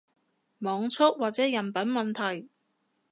網速或者人品問題